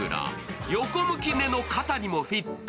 横向き寝の肩にもフィット。